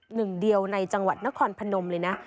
หนึ่งเดียวในจังหวัดนครพนมเลยนะ